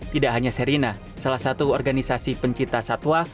tidak hanya sherina salah satu organisasi pencinta satwa